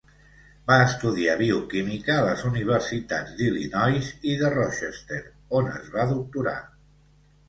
Va estudiar bioquímica a les universitats d'Illinois i de Rochester, on es va doctorar.